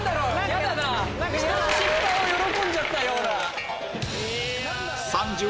ヤダな人の失敗を喜んじゃったような。